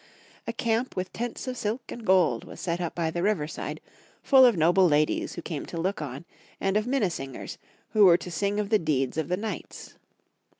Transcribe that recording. A camp with tents of silk and gold was set up by the river side, full of noble ladies who came to look on, and of minne singers, who were to sing of the deeds of the knights.